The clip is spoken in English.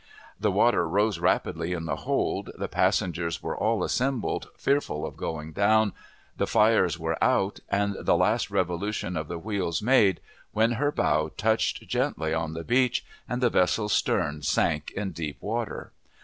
The water rose rapidly in the hold, the passengers were all assembled, fearful of going down, the fires were out, and the last revolution of the wheels made, when her bow touched gently on the beach, and the vessel's stern sank in deep water.